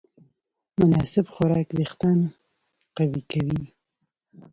مناسب خوراک وېښتيان قوي کوي.